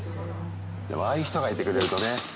でもああいう人がいてくれるとね。